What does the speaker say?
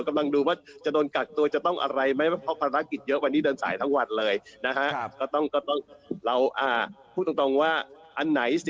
กำลังดูว่าจะโดนกัดตัวจะต้องอะไรมา